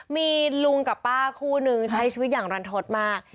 มีลุงกับป้าคู่นึงใช้ชีวิตอย่างรันทดมาก